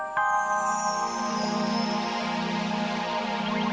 kamu harus mencoba untuk mencoba